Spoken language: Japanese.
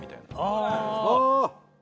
ああ！